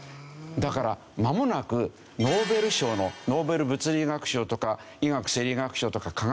だからまもなくノーベル賞のノーベル物理学賞とか医学生理学賞とか化学賞。